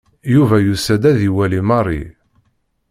Yuba yusa-d ad iwali Mary.